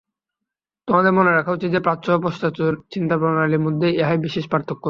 তোমাদের মনে রাখা উচিত যে, প্রাচ্য ও পাশ্চাত্য চিন্তাপ্রণালীর মধ্যে ইহাই বিশেষ পার্থক্য।